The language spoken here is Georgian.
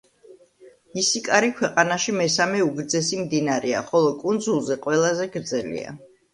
ისიკარი ქვეყანაში მესამე უგრძესი მდინარეა, ხოლო კუნძულზე ყველაზე გრძელია.